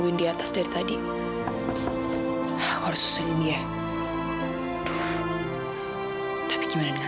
surat surat dari mbak mita